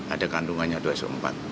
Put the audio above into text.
ada kandungannya dua so empat